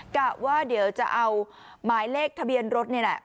กะว่าเดี๋ยวจะเอาหมายเลขทะเบียนรถนี่แหละ